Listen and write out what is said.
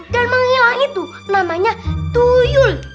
dan menghilang itu namanya tuyul